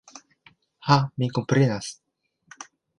Ha, mi komprenas!